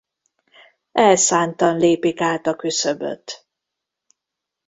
Elszántan lépik át a küszöböt.